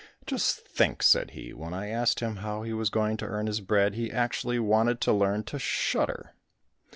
"Just think," said he, "when I asked him how he was going to earn his bread, he actually wanted to learn to shudder."